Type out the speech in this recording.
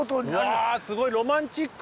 うわすごいロマンチック。